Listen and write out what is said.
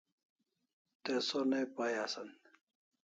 Te sonai pai asan